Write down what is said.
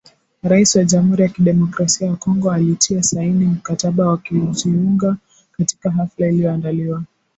Rais wa Jamhuri ya Kidemokrasia ya Kongo, alitia saini mkataba wa kujiunga, katika hafla iliyoandaliwa